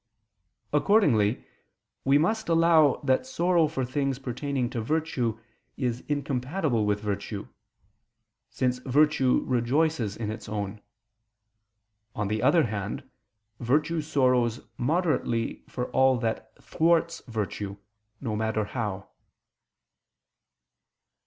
Accordingly we must allow that sorrow for things pertaining to virtue is incompatible with virtue: since virtue rejoices in its own. On the other hand, virtue sorrows moderately for all that thwarts virtue, no matter how.